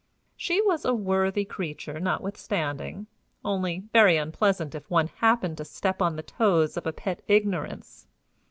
She was a worthy creature, notwithstanding, only very unpleasant if one happened to step on the toes of a pet ignorance.